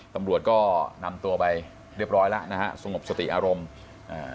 ตำรวจก็นำตัวไปเรียบร้อยแล้วนะฮะสงบสติอารมณ์อ่า